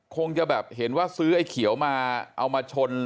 คงจะแบบเห็นว่าซื้อไอ้เขียวมาเอามาชน